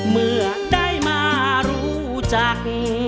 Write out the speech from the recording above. เมื่อได้มารู้จัก